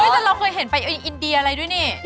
แต่เราเคยเห็นไปอินเดียอะไรด้วยนี่